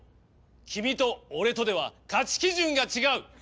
君と俺とでは価値基準が違う。